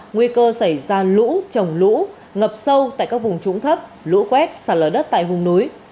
nguy cơ xảy ra lũ trồng lũ ngập sâu tại các vùng trũng thấp lũ quét sạt lở đất tại hùng núi